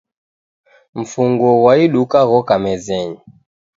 Mfunguo ghwa iduka ghoka mezenyi